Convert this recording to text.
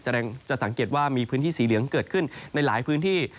จะสังเกตว่ามีพื้นที่สีเหลืองเกิดขึ้นในหลายพื้นที่